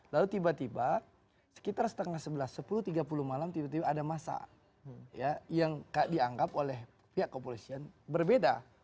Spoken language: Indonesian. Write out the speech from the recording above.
lalu tiba tiba sekitar setengah sebelas sepuluh tiga puluh malam tiba tiba ada masa yang dianggap oleh pihak kepolisian berbeda